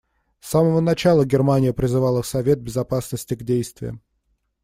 С самого начала Германия призывала Совет Безопасности к действиям.